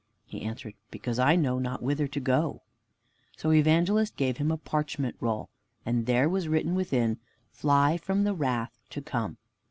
He answered, "Because I know not whither to go." So Evangelist gave him a parchment roll, and there was written within, "Fly from the wrath to come."